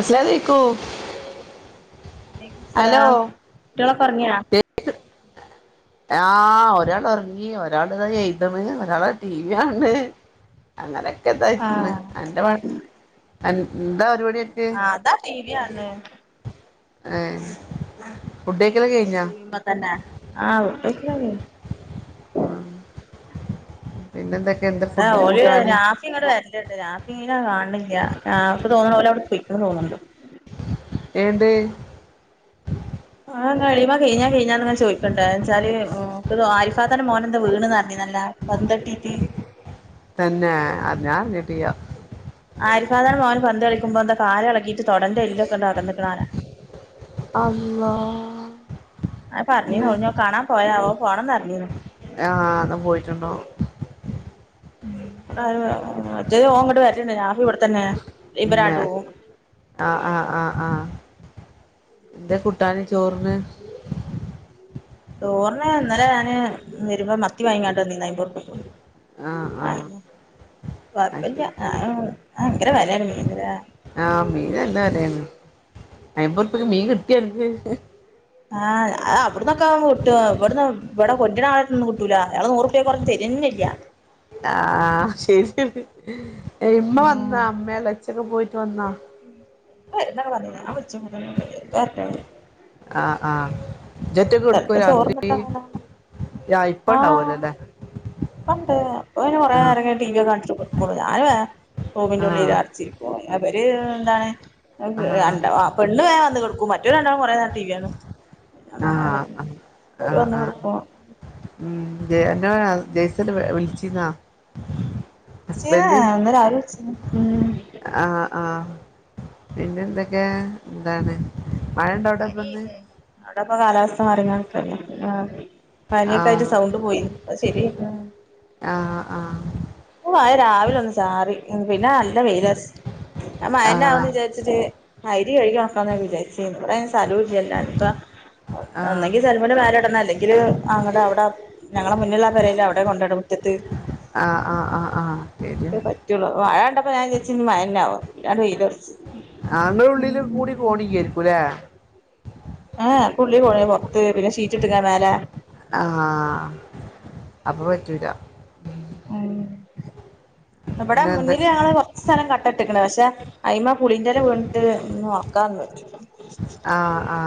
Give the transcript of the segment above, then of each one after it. അസ്ലലേക്കും വലൈക്കും സ്ലാം കുട്ടികളെകൊറങ്ങിയോ ആഹ് ഒരാൾ ഉറങ്ങി ഒരാള്താ എയ്തണ് ഒരാള് ടി വി കാണ്ണ് അങ്ങനെയൊക്കെ താ ഇരിക്കിണ് ആഹ് അന്റെ [unintelligible] എന്താ പരിപാടി ഏ ആഹ് അതാ ടി വി കാണ് ണ്. ഫുഡ് കഴിക്കലൊക്കെ കഴിഞ്ഞാ പ തന്നെ ആഹ് ഫുടൊക്കെ കഴിച് പിന്നെന്തൊക്കെ എന്താ അട ഫുഡിന് ഓല് കൂട്ടാന് നാസി ഇവിടെ വരല്ലണ്ട് നാസി നെ കാണിന്നില്ല ഇൻക്കതോന്നു പൊയ്ക്കിണ് തോന്നുന്നുണ്ട് ഏത് ആഹ് കളിമ കഴഞ്ഞാ കഴിഞ്ഞാങ്ങ ചോയ് ണ്ടെച്ചാല് ഇ ആരിഫാതാന്റെ മോന് എന്താ വീണന്ന് പറഞ്ഞിനിയല്ലോ ന്തപ്പറ്റിട്ട് തന്നെ അ ഞാൻ അറിഞ്ഞിട്ടില്ല ആരിഫാത്താന്റെ മോൻ പന്ത് കളിക്കുമ്പോ ന്താ കാൽ ഇളകി തൊടെന്റെ എല്ലോക്കിണ്ടാ അകന്നി കണാലെ അള്ളാ ആ പിന്നെ പറഞ്ഞീനോലോ ഞാൻ കാണാൻ പോയാവോ ആ അതാ പോയിട്ടുണ്ടോ ഞാൻ രാവിലെ ഇവിടത്തന്നെ പിന്നെ ആഹ് ആഹ് ആഹ് ആഹ് എന്താ കൂട്ടാന് ചോറിന് ചോർന് ഇന്നലെ ഞാന് വരുമ്പോ മത്തി വാങ്ങീട്ടാന്ന് വന്നേന് ആയിമ്പറുപ്പക് ആഹ് ആ അത് കൊഴപ്പില്ല ശരി ആ ഭയങ്കര വെലാണ് മീനിനു ആഹ് മീൻ നല്ല വെലാണ് അയിമ്പൂർപ്പിയ്ക്ക് മീൻ കിട്ടിയ അൻക് ആഹ് അവിടന്നൊക്കെ ആവുമ്പോ കിട്ടും. ഇവിടന്ന് കൊണ്ടര് ണ ആളടത്തിന്ന് കിട്ടൂല. അയാൾ നൂറുപ്പയേൽ കുറ ആഹ് ശരി ണ് ഇമ്മ വന്ന അമ്മയ ലച്ചക്കെ പോയിട്ട് വന്നാ വരുന്നൊക്കെ പറഞീനു. ഞാൻ വിളിച്ചോക്കീട്ടൊന്നും ഇല്ല. വരുമ്പോ വരട്ടെ ആ ആ ഇജൊറ്റക്ക് എടുക്കും ചെലപ്പ രാത്രി ചോർന്നിട്ട അങ്ങനാ ആ ഇപ്പ ആഹ് ഉണ്ടാവുമല്ലോ അല്ലേ പ്പണ്ട് പ്പ പിന്നെ കുറെ ആ നേരം ടീവി ക്കൊ കാണ്ടിരി ഞാൻ വേം റൂമിന്റെ ആ ഉള്ളിൽ അടച്ചിരിക്കും അവര് എന്താണ് ആ രണ്ട പെണ്ണ് വേഗം വന്ന് കെടക്കും. മറ്റൊ രണ്ടാ കൊറെേ നേരം ടീവീ കാണും ആ [unintelligible] ആ ഓര് വന്ന് കെടക്കും [unintelligible] ജെയസല് വിളിച്ചിന്നാ [unintelligible] ഇന്ന് രാവിലെ വിളിച്ചീനു ആ ആ പിന്നെ എന്തൊക്കെ എന്താണ് മഴ ഉണ്ടോ അവിടെ ഇപ്പൊ ഇന്ന് പനിന്ന് അവിടപ്പ കാലാവസ്ഥ മറിക്കാണ്ട് ക്കല്ലേ ആ ആ പനിയൊക്കെ ആയിട്ട് സൗണ്ട് പോയി ഇപ്പോ ശെരിയായി ആ ആ മഴ രാവിലെ ഒന്ന് ചാറി, പിന്നെ നല്ല വെയില അറ ഞാൻ മഴ ആ ന്നാവും വിചാരിച്ചിട്ട് അരി കഴുകി നോക്കാ വിചാരിച്ചി. ബടെ അയ്ൻ സ്ഥലോല്ലല്ലോ ആ [unintelligible] അല്ലെങ്കില് അങ്ങടെ അവിടെ ഞങ്ങള മുന്നില പേരെൽ അവിടെ കൊണ്ടയിടും മുറ്റത്ത് ആഹ് പറ്റോള്ളൂ. മഴ കണ്ടപ്പോ ഞാൻ വിചാരിച്ചു മഴല്ലവം പിന്നാണ്ട് വെയിലറച്ച് ങ്ങളുടെ ഉള്ളിൽ കൂടി കോണില്ലായിരിക്കൂല്ലേ ആഹ് [unintelligible] പുറത്തു. പിന്നെ ഷീറ്റ് ട്ടക്ക മേലെ ആഹ് അപ്പൊ പറ്റൂല മ് ഇവിടെ പിന്നെ എന്ത മുന്നില് ഞങ്ങള് കൊറച്ച് സ്ഥലം കട്ടട്ടിക്കണ് പക്ഷെ അയിമ്മ പുളിൻ്റെല വീണിട്ട്ന്ന് [unintelligible] ആഹ് ആ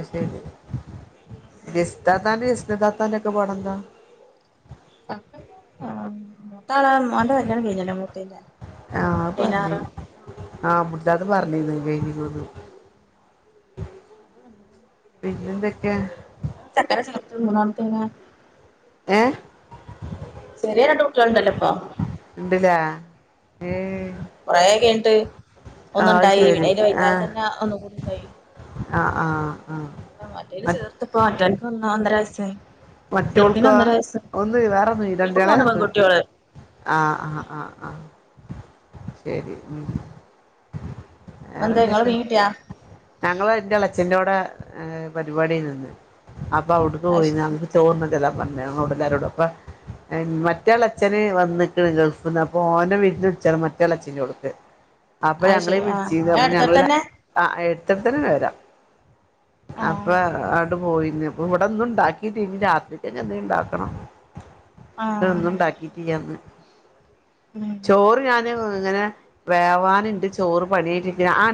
അത്ശരി ജെസി താത്താൻ്റെ ഹുസ്നതാത്താന്ൻ്റെ ഒക്കെ പടെന്താ ആഹ് [unintelligible] മോന്റെ കല്യാണം കഴിഞ്ഞല്ലോ മൂത്തൂൻ്റെ ആഹ് അത് പായ്നാറാ പിന്നെന്തൊക്കെയാ ചക്കര [unintelligible] ഏഹ് ചെറിയേ രണ്ട് കുട്യാള്ണ്ടല്ലോപ്പം ഇണ്ട്ല്ലേ ഏഹ് കൊറേകയ്ഞ്ഞ്ട്ട് ആഹ് അത് ഒന്നുണ്ടായി പിന്നെ ശരി അയ്ന്റെ വയ്ത്താലെ ആഹ് തന്നെ ഒന്നും കൂടിണ്ടായി ആഹ് ആഹ് ആഹ് മറ്റോല്ത് മ ചേർത്ത്പ്പം മറ്റോന്ക്ക് ഒന്ന് രണ്ടര വയസായ്ണ് മറ്റോൾക്കോ ഒന്ന് വേറൊന്നുടെ ഓൽക്ക് രണ്ടാള മൂന്ന് പെൺകുട്ടിയോള് ആഹ് ആഹ് ആഹ് ആഹ് ശരി ഉം വേറെ എന്താ ഇങ്ങളെ പറ്റും മീൻ കിട്ടിയാ ഞങ്ങള് എന്റെ അളച്ഛന്റെോട് പരിപാടിൽ നിന്ന് അപ്പ അവിടു അത് പോയി ശരി നമ ച പറൂടുാരോടൊപ്പ മറ്റേയാൾ അച്ഛന് വന്നണ് ഗൾഫിൽ നിന്ന് അപ്പ ഓന വിരു വിച്ച മറ്റേൾ അച്ഛന് കൊടുക്ക് അപ്പൊ അത് ഞങ്ങളെ ശരി ആഹ് വിളിച്ചു ഏഹ് അപ്പ ഞങ്ങള അടുത്തടുത്തന്നെ ഇത്തത്തി വരാം അപ്പ ആഹ് അവിടെ പോയി ഇവിടെ ഒന്നും ഉണ്ടാക്കി രാത്രിക് എന്ത ഇണ്ടാക്കണം ഇത ആഹ് ഒന്ന ഉണ്ടാക്കിട്ട്യന്ന് ഉം ചോറ് ഞാൻ ങ്ങനെ വേവാൻ നുണ്ട് ചോറ് പണിരിക്ക ആ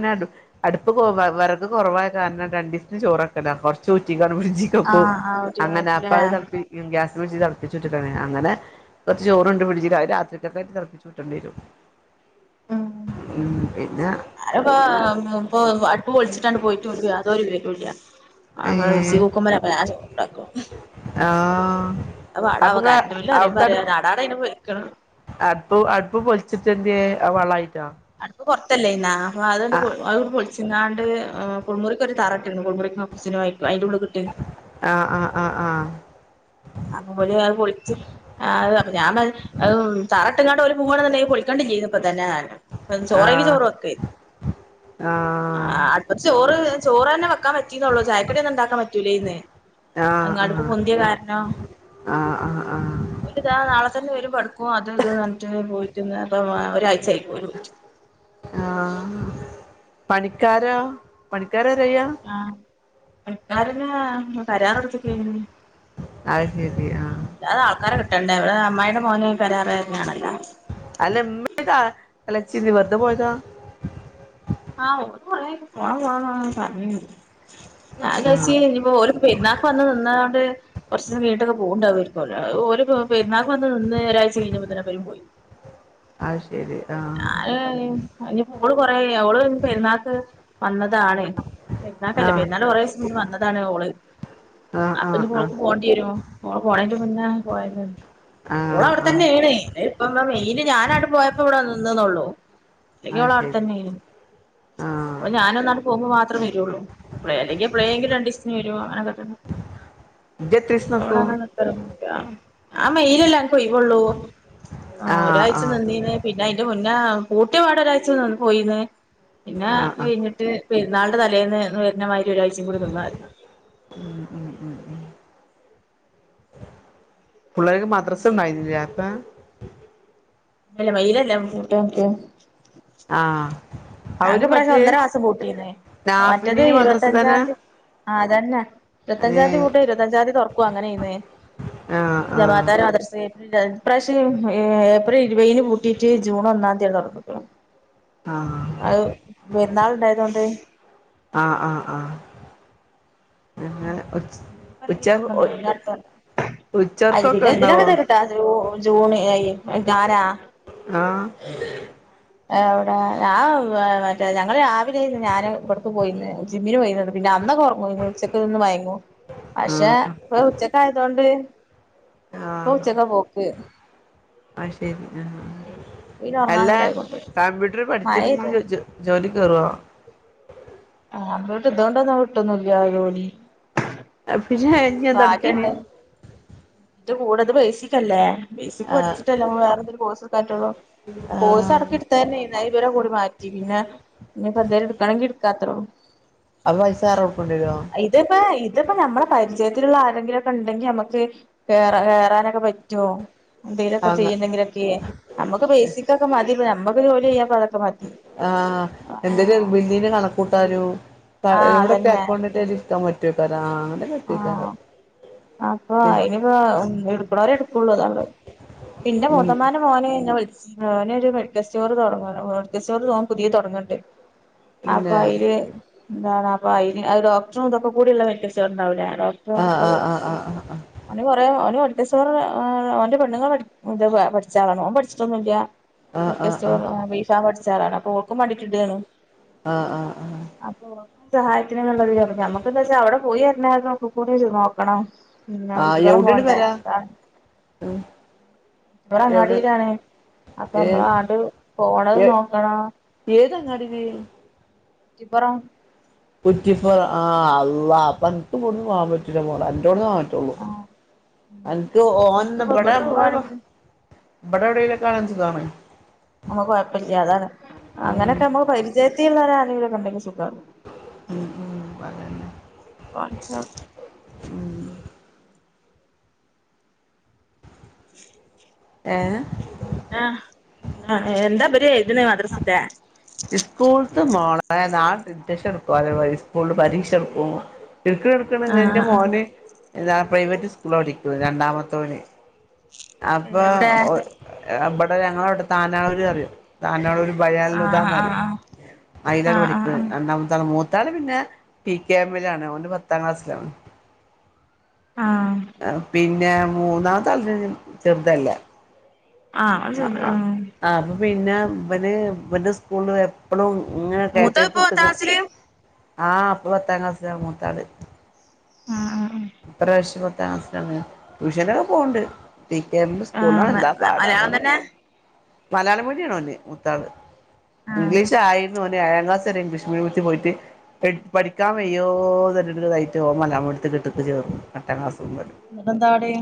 അടുപ്പ് വിക്ക്റ കുവാരണം രണ്ട ദിവസത്തിന് ചോറൊക്കല്ല കൊറച്ച് റ്റിഞ്ചിക്കൊക്കും ആഹ് ആഹ് അങ്ങനെ പ കുട്ടികളായിരിക്കുംല്ലേ തിളപ്പിയാ തിളപ്പിച്ച് ഉറ്റലാണ് അങ്ങനെ കുറച്ച് ചോറണ്ട് പിടടിച്ച് രാത്രിക്കൊക്കൊയിട്ട് തിളപ്പച്ച്ു വിട്ടേണ്ട വരും ഉം പിന്നെ ആപ്പോ ഇപ്പൊ അടുപ്പ് പൊളിച്ചിട്ടാണ് പോയിട്ട് വിട അതോരുപ ഇടിയ ആ ഈ ഇച്ചി കൂക്കുമ്പരെ പശ ഉണ്ടാക്കും ആഹ് എന്താ അപ്പൊ വാടാവാ ഇങ്ങള് കാരന്റെ വല അറിയ അവിടുത്തെ അടു പറയാ നാടാടെ വക്കണം അടുപ്പ് അടുപ്പ് പൊലിച്ചിട്ടന്റെ വളായിട്ട് അടുപ്പ് പുറത്തല്ലേ ഇന്നാ അപ്പൊ അതുകൊണ്ട് ആഹ് അ പൊളിച്ചിങ്ങാണ്ട് കുളുമുറിക്ക ഒരു തറ എറക്ക സിനമായി ആ ആ ആ ആ അപ്പൊ പോലെ അത് പൊളിച്ച് അ ഞാൻ തറാട്ടിങ്ങാട്ട പോല പോകണെന്നണ്ടെങ്കിൽ പൊളിക്കാണ്ടണ്ട് ചെയ് തന്നെ ചോറക്ക് ആഹ് ചോറും ഒക്കെ ആ ആഹ് അടുപ്പ ചോറ് ചോറ് തന്നെ വെക്കാൻ പറ്റിന്നോള്ളൂ ചായക്കട ഒന്ന ഉണ്ടാക്കാൻ പറ്റൂലേ ഇന്ന് ആഹ് ആഹ് അങ്ങടുപ്പ ആഹ് പൊന്തിയോ കാരണോ ആഹ് ആഹ് ഒരുത നാളെ തന്നെ വരും പഠക്കും അത് ഇത് നിട്ട് പോയിട്ട ഒരാഴ്ച ആയിരിക്കും ഒരു ആ പണിക്കാര പണ ആ എക്കാരന തരാറ എടുത്തക്ക അത് ശരി ആഹ് അല്ലാതെ ആൾക്കാരെ കിട്ടണ്ടേ ഇവിടെ അമ്മായിയുടെ മോന് വരാറ് തന്നെയാണല്ലോ അല്ലമ്മതാ അല്ലച്ചി വെറുതെ പോയതാ ആഹണ പോ പോ പറ ഞാൻ ചച്ചി ആഹ് ഇപ്പോ ഒരു പരുന്നാക്കക്ക് വന്ന് നിന്നത കൊണ്ട് കുറച്ചിനം വീട്ടൊക്കെ പോകേണ്ടാവ വരും പിന്നാർക്ക് വന്ന് നിന്ന് ഒരാഴ്ച കഴിഞ്ഞ്പോത്തനെപ്പരും പോയി അ ഞാന് ഇനി പള് കൊറ അവള് പെരുന്നാക്ക് വന്നതാണ് പെരുന്നാൾക്ക് അല്ല ആഹ് പെരുന്നാളിന് കുറെ ദിസം മുന്നേ വന്നതാണ് ഓള് ആഹ് ആഹ് അപ്പൊക്ക് ആഹ് പോകേണ്ടി വരുമോ മോള് പോണെന്റെ മുന്നേ പോയത് ആഹ് ആഹ് ഓളവിടെത്തന്നേണ് ഇപ്പ മെയില് ഞാനങ്ങോട് പോയപ്പോ ഇവിടെ വന്നു നിന്നന്നേള്ളു. അല്ലെങ്കി അവളവിടെ തന്നെ ആയിനു ആ ഓള് ഞാനൊന്നങ്ങട് പോകുമ്പോ മാത്രേ വരുള്ളൂ എപ്ലെ അല്ലെങ്കിപ്ലെങ്കിലു രണ്ടീസത്തിനു വരും അങ്ങനൊക്കെത്തന്നേ. ഇജ്ജ് എത്രീസം നിക്കും ഇവിടങ്ങനെ നിക്കലൊന്നുവില്ല ആ മെയിലല്ലേ എന്കൊയിവൊള്ളൂ. ആ ആഹ് ഒരാഴ്ച ആഹ് നിന്നീനെ പി അതിന്റെ മുന്നേ കൂട്ടിയപാടൊരാഴ്ചനിന്ന് പോയിന്ന് പിന്നെ ആഹ് ആഹ് അത്കഴിഞ്ഞിട്ട് പിറന്നാളുടെ തലേന്ന് അന്നുവരുന്നമാതിരി ഒരാഴ്ചയും കൂടി നിന്നായിരുന്നു. പിള്ളേർക്ക് മദ്രസ ഉണ്ടായിരുന്നില്ല പ്പ? അല്ല മേയിലല്ല [unintelligible] ആ ഞങ്ങക് ഇപ്രാവശ്യം ഒന്നര മാസം പൂട്ടീന്നേ, മറ്റേത് നാഫിനീന് മദ്രസ ഇരുപത്തഞ്ചാം തന്നെ തി ആ അതന്നെ. ഇരുത്തഞ്ചാംതി ഏഹ് പൂട്ടിയ ഇരുത്തഞ്ചാംതി തുറക്കും അങ്ങനെയ ചെയ്യുന്നേ, ആഹ് ആഹ് ജമാത്താര അദർച്ച ഇപ്രാവശ്യം ഏപ്രിൽ ഇരുപൈയിൻ പൂട്ടിയിട്ട് ജൂൺ ഒന്നാം തിയാണ് തുറക്കത്തൊള്ളൂ. ആഹ് അത് പെരുന്നാളുണ്ടായിരുന്നോണ്ട് ആഹ് ആഹ് ആഹ് പിന്നെ ഉച് ഉച്ച ഉച്ചർക്കൊക്കെ ഉണ്ടാവോ [unintelligible] [unintelligible] ജൂണ് ആഹ് അവിടെ ഞാ മറ്റേ ഞങ്ങള് രാവിലെന്ന് ഞാന് പൊറത്തു പോയിരുന്നു ജിമ്മില് പോയിന്ന്. എന്താക്കുറങ്വോ ഇങ്ങള് ഉച്ചക്ക് ഒന്ന് മയങ്ങു പക്ഷെ ആഹ് ഇപ്പ ഉച്ചക്കായതൊണ്ട് ഇപ്പൊ ഉച്ചക്കാ പോക്ക്. ആ ശരി ആ പിന്നെ അല്ല ഉറങ്ങാനുണ്ടായിക്കൊണ്ട് കമ്പ്യൂട്ടർ പഠിച്ചിട്ട് നി മഴെയ്ത് ജോലിക്കു കേറുവോ? ആ അതോണ്ട് ഇന്തൊണ്ടൊന്നും കിട്ട്വോന്നുമില്ല ജോലി. പിന്നെ ഇനി എന്തൊടുക്കാനാ ഭാഗ്യണ്ട് ഇന്റെ ഇത് കൂടത് ബേസിക്കല്ലേ, ബേസിക് ആഹ് പഠിച്ചിട്ടല്ല നമ്മള് വേറെന്തലു കോഴ്സെടുക്കാറ്റുള്ളോ. കോഴ്സ് ആഹ് ഇടയ്ക്കു എടുത്തരുന്നു ഞാൻ ഇവരെ കൂടി മാറ്റി പിന്നെ പിന്നെപ്പെന്തേലും എടുക്കണെങ്കിൽ എടു എടുക്കാത്രേള്ളൂ. അപ്പൊ പൈസ വേറെ കൊടുക്കേണ്ടി വരുവോ ഇതിപ്പോ ഇതിപ്പോ നമ്മടെ പരിചയത്തിലുള്ള ആ എന്തെങ്കിലൊക്കെ ഉണ്ടെങ്കി നമ്മക്ക് കേറ കേറാനൊക്കെ പറ്റ്വോ? എന്തേലൊക്കെ ആഹ് ചെയ്യുന്നെങ്കിലൊക്കെ നമുക്ക് ബേസിക്കൊക്കെ മതി നമ്മക്ക് ജോലി ചെയ്യാപ്പ അതൊക്കെ മതി. ആ എന്തൊരു ആഹ് നിർബന്ധിത കണക്കൂട്ടാരു എവിടെക്കെ അക്കൗണ്ടിട്ടല് എടുക്കാൻ പറ്റുവോക്കാര ആ അപ്പൊ ഇയിനിപ്പ എടുക്കണോരെടുക്ക് ഉള്ളതള്ളത് പിന്റെ ഉം മുതമാന മോനെ ഞാൻ വിളിച്ച ഞാനൊരു മെഡിക്കൽ സ്റ്റോറ് തുടങ്ങാണ് മെഡിക്കൽ സ്റ്റോർ ന്നാ പുതിയ തുടങ്ങണ്ടേ? അപ്പൊ പിന്നെ അയില് എന്താണ് അപ്പൊ അയിന് അത് ഡോക്ടറും ഇതൊക്കെ കൂടിള്ള മെഡിക്കൽ സ്റ്റോറുണ്ടാവൂലെ? ഡോക്ടറും ആഹ് അതൊക്കെള്ള ആഹ് ആഹ് ആഹ് അയിന് കൊറേ തോനെ പഠി എസ് ആർ ൽ ഓന്റെ പെണ്ണുങ്ങള് പഠിച്ച പഠിച്ചാളാണ് ഓൻ പഠിച്ചിട്ടൊന്നുമില്ല്യ. ആഹ് ആഹ് ആഹ് ആഹ് ഓൻ ബീ ഫാമ് പഠിച്ച ആളാണ് അപ്പൊ ഓൾക്കും പഠിച്ചിതേണ് ആഹ് ആഹ് ആഹ് അപ്പൊ ഓക്ക് സഹായത്തിന് നല്ലൊരു ഇതുവേണം നമ്മക്ക എന്താച്ച അവിടെ പോയിവരുന്നാളിന് ഒക്കെക്കൂടി നോക്കണം പിന്ന ആഹ് കുറ്റിപറം എവിടെയാണ് പോകണ്ടേ പെര അതാണ് ഉം ഈടെ എവിടെ അങ്ങാടിയിലാണ് അപ്പൊ ഏ നമ്മള അങ്ങട് പോണത് നോക്കണം ഏതങ്ങാടീലെ കുറ്റിപ്പറം കുറ്റിപ്പറം ആ അള്ളാ അപ്പം എക്ക് കൊണ്ടുപോവാൻ പറ്റൂല മോളെ എന്റോടെ ആഹ് എനിക്ക് ഓൻ എനിക്കിപ്പോ ഇബിടെ ഇവിടുന്ന് [unintelligible] പോവാണെങ്കിൽ ഇബിടെ എവിടെലും ഒക്കെ ആണേ സുഖാണേ നമ്മക്ക് കൊഴപ്പല്ല്യ അതാണ് ഉം അങ്ങനെയൊക്കെ നമ്മക്ക് പരിചയത്തില്ള്ളോരാരെങ്കിലൊക്കെ ഇണ്ടെങ്കി സുഖാ ഉം ഉം അതന്നെ [unintelligible] ഏഹ് ആഹ് ആഹ് എന്താ ഇവര് എയ്ത്ണ് മദ്രസത്തേ ഇസ്കൂൾത്ത മോളേ നാള ഡിക്ടേഷൻ എടുക്കുവോലോ ഇവ ഇസ്കൂള്ള് പരീക്ഷ എടുക്കും എടുക്ക് എടുക്ക്ണ് ആഹ് എന്റെ ആഹ് മോന് എന്താ പ്രൈവറ്റ് സ്കൂള്ളാ പഠിക്ക്ണ് രണ്ടാമത്തോന് അപ്പോ എവിടെ ഓ ഇവടെ ഞങ്ങളവിടെ താനാളൂര് അറയും താനാളൂര് ബയാനുൽ ആഹ് ഹുദാന്ന് ആഹ് പറയും ആഹ് അയ്ലാണ് പഠിക്ക്ണ് ആഹ് രണ്ടാമത്താള് മൂ മൂത്താള് പിന്നെ പി കെ എമ്മിലാണ് ഓന് പത്താം ക്ലാസ്സിലാണ് ആഹ് പിന്നെ മൂന്നാമത്താള് ചെറുതല്ലേ ആഹ് അത് ചെറുതാ പിന്ന ഇവന് ഇവൻ്റെ സ്കൂള്ള് എപ്പളും ഇങ്ങന മൂത്തത് ഇപ്പൊ കേട്ടെഴുത്തെടുത്ത്ട്ട് പത്താംക്ലാസ്സില് ആഹ് ഇപ്പ പത്താം ക്ലാസ്സിലാ മൂത്താള് ആഹ് ആഹ് ഇപ്രാവശ്യം പത് പത്താം ക്ലാസ്സിലാണ് ട്യൂഷനൊക്കെ പോണ് ണ്ട് പി കെ എം [unintelligible] ആഹ് സ്കൂളാണ് എന്താ ആഹ് പാടാവോ മലയാളം തന്നെ മലയാളം മീഡിയാണ് ഓന് മൂത്താള് ആഹ് ഇംഗ്ലീഷായിര് ഓനേഴാം ക്ലാസ് വരെ ഇംഗ്ലീഷ് മീഡിയത്തി പോയിട്ട് എട് പഠിക്കാൻ വയ്യോന്നറഞ്ഞിട്ട് [unintelligible] ഓൻ മലയാളം മീഡിയത്തിൽ എട്ട്ക്ക് ചേർന്നു എട്ടാം ക്ലാസ്സ്ന്ന് എന്നിട്ടെന്താ പാട്?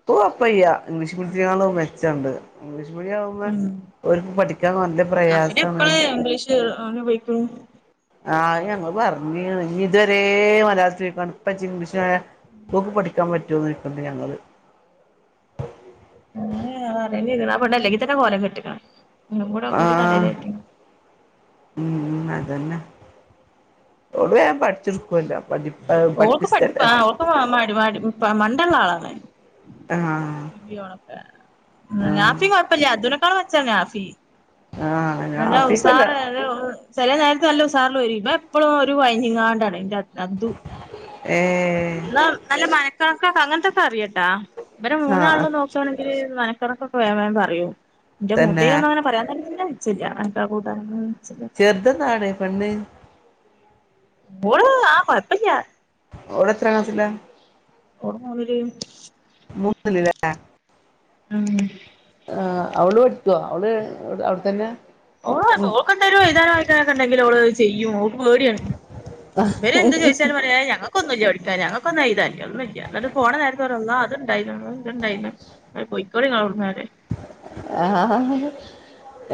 ഇപ്പൊ കൊഴപ്പയ്യ ഇംഗ്ലീഷ് മീഡിയത്തിനേക്കാളും മെച്ചണ്ട് ഇംഗ്ലീഷ് മീഡിയാവുമ്പെ ഉം ഓര്ക്ക് പഠിക്കാൻ നല്ല അഫിന് പ്രയാസാണ് എപ്പള് ഇംഗ്ലീഷ് ഓന് ഉപയോഗിക്കും ആഹ് അത് ഞങ്ങള് പറഞ്ഞ് [unintelligible] ഇഞ്ഞ് ഇതുവരേ മലയാളത്തിലിരിന്നാണ്ട് ഇപ്പജ്ജ് ഇംഗ്ലീഷിലായ ഓക്ക് പഠിക്കാൻ പറ്റ് റ്റോന്നോയ്ക്ക്ണ്ട് ഞങ്ങള് [unintelligible] അത് അറീണില്ല ആ പെണ്ണ് അല്ലെങ്കി തന്നെ കോലം കെട്ട്ക്ക്ണ് [unintelligible] കൂടി ആഹ് തലേലേറ്റി ഉം അതന്നെ ഓള് വേം പഠിച്ചെടുക്കുവല്ലോ പഠിപ് ഓൾക്ക് പഠിപ്പാ ആഹ് ഓൾക്ക് മ മടി മടി പാ മണ്ടെള്ള ആളാണ് ആഹ് [unintelligible] ആഹ് നാഫി കൊഴപ്പില്ല്യാ അതുനെക്കാളും മെച്ചാ നാഫീ ആഹ് നല്ല ആഫിക്കല്ല ഉസാറ് അല്ലേ ഓള് ചെല നേരത്ത് നല്ല ഉസാറ്ല് വരിം ഇപെന് എപ്പളും ഒരു കൊഴഞ്ഞിങ്ങാണ്ടാണ് ഇൻ്റെ അ അദു ഏഹ് ന്നാ നല്ല മനക്കണ്ക്കൊക്ക അങ്ങൻത്തൊക്ക അറിയട്ടാ ഇവരെ ആഹ് മൂന്നാള്ലും നോക്കാണെ ങ്കില് മനക്കണക്കൊക്കെ വേം വേം പറയും ഇന്റെ തന്നെ മൂത്തേനൊന്നും അങ്ങനെ പറയാൻ തന്നെ ച്ചെല്ല്യാ [unintelligible] കൂട്ടാനു ചെറുതെന്താണ് പെണ്ണ് ഓള് ആഹ് കൊഴപ്പല്ല്യ ഓള് എത്രാ ക്ലാസ്സിലാ ഓള് മൂന്നില് മൂന്നില് ല്ലേ ഉം ആഹ് അവള് പഠിക്ക്യോ അവള് ഏടെ അവട് തന്നെ ഓളന്തോ ഓക്കെന്തേലും എഴ്താനും വായിക്കാനൊക്കണ്ടെങ്കില് ഓള് അഹ് ചെയ്യും ഓ പേടിയാണ് ഇവരെന്ത് ചോയിച്ചാലും പറയാ ഏഹ് ഞങ്ങ ക്കൊന്നുല്ല്യാ പഠിക്കാന് ഞങ്ങക്കൊന്നും എയ്താന് ഒന്നുല്ല്യ ന്ന്ട്ട് പോണ നേരത്ത് പറയും അല്ലാഹ് അത്ണ്ടായിനു [unintelligible] ഇത്ണ്ടായിനു [unintelligible] പൊയ്ക്കോളി ഇങ്ങളവട്ന്ന് അറിം ആഹ്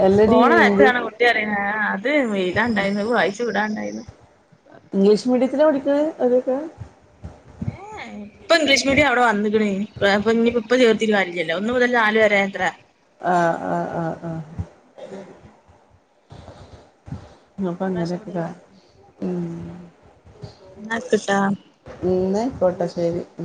എല്ലടീ ഇം ആഹ് അത് ഉം എയ്താണ്ടാരുന്നു അഹ് വായിച്ച് വിടാണ്ടാരുന്നു ഇംഗ്ലീഷ് [unintelligible] ഏഹ് ഇപ്പൊ ഇംഗ്ലീഷ് മീഡിയം അവടെ വന്നിക്ക്ണ് പ്രേ പ്പ ഇഞ്ഞിപ്പം ഇപ്പ ചേർത്തീട്ട് കാര്യ ല്ലല്ലോ ഒന്നു മുതല് നാല് വരെത്രെ ആഹ് ആഹ് ആഹ് ആഹ് [unintelligible] ഇപ്രാവശ്യം മുതൽ ഉമ് വന്ന്ക്ക്ണ് എന്നാ വെക്കട്ടാ ഇന്നായിക്കോട്ടെ ശെരി